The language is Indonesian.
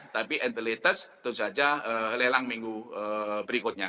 tapi at the latest itu saja lelang minggu berikutnya